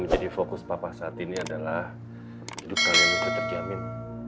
jadi fokus papa saat ini adalah hidup kalian itu terjamin